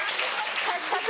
社長？